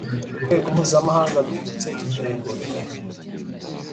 Rwego mpuzamahanga bifite intego imwe